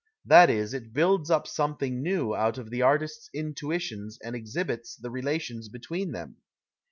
That is, it builds up something new out of the artist's intuitions and exhibits the relations between them.